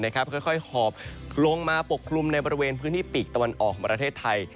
ค่อยหอบลงมาปกคลุมในบริเวณพื้นที่ปีกตะวันออกของประเทศไทย